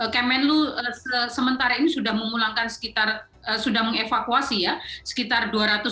kemenlu sementara ini sudah mengulangkan sekitar sudah mengevakuasi ya sekitar dua ratus tiga puluh dua